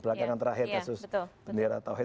belakangan terakhir kasus bendera tauhid